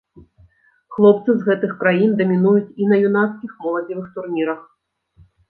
Хлопцы з гэтых краін дамінуюць і на юнацкіх, моладзевых турнірах.